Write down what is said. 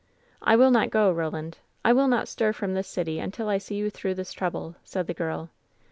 "I will not go, Roland. I will not stir from this city until I see you through this trouble !" said the girl.